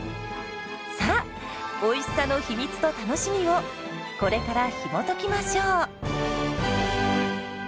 さあおいしさの秘密と楽しみをこれからひもときましょう！